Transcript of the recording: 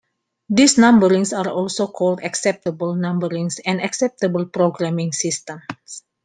These numberings are also called acceptable numberings and acceptable programming systems.